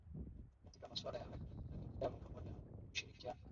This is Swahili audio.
katika masuala ya haki za binadamu pamoja na ushirikiano